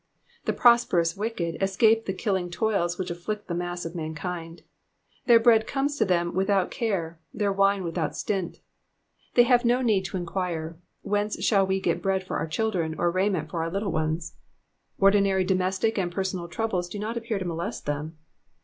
''^ The prosperous wicked escape the killing toils which afflict the mass of mankind ; their bread comes to them without care, their wine without stint. They have no need to enquire, " Whence shall we get bread for our children, or raiment for our little ones?'' Ordinary domestic and personal troubles do not appear to molest them.